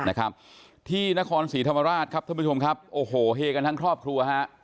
นะครับที่นครศรีธรรมราชครับท่านผู้ชมครับโอ้โหเฮกันทั้งครอบครัวฮะ